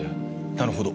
なるほど。